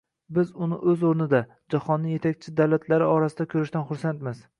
Biz uni o‘z o‘rnida — jahonning yetakchi davlatlari orasida ko‘rishdan xursandmiz